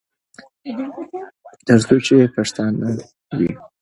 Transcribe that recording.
تر څو چې پښتانه وي.